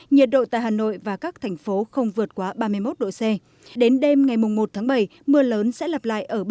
nhiệt độ tại hà nội và các thành phố không vượt qua ba mươi một độ c đến đêm ngày một bảy mưa lớn sẽ lặp